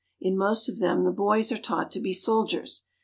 In most of them the boys are taught to be soldiers.